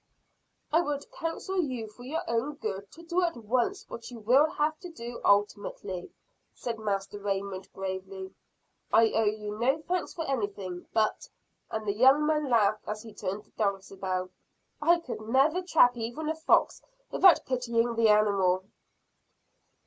"I would counsel you for your own good to do at once what you will have to do ultimately," said Master Raymond gravely. "I owe you no thanks for anything; but" and the young man laughed as he turned to Dulcibel "I never could trap even a fox without pitying the animal."